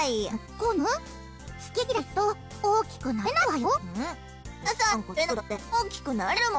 コヌ好き嫌いすると大きくなれないわよ。